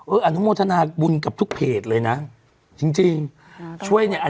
อนุโมทนาบุญกับทุกเพจเลยนะจริงจริงช่วยเนี่ย